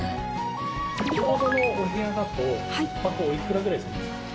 先ほどのお部屋だと１泊おいくらぐらいするんですか？